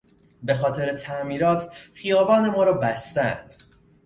به خاطر تعمیرات، خیابان ما را بستهاند.